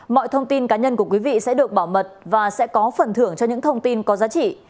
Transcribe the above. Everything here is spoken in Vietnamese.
mọi thông tin cá nhân của quý vị sẽ được bảo mật và sẽ có phần thưởng cho những thông tin có giá trị